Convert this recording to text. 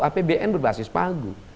apbn berbasis pagu